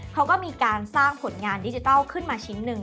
เขาก็มีการสร้างผลงานดิจิทัลขึ้นมาชิ้นหนึ่ง